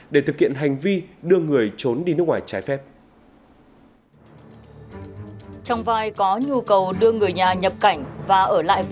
để thực hiện hành vi đưa người trốn đi nước ngoài